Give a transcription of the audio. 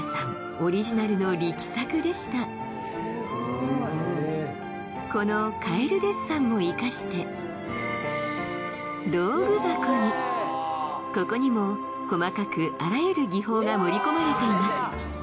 オリジナルの力作でしたすごいこのカエルデッサンもいかして道具箱にきれいここにも細かくあらゆる技法が盛り込まれています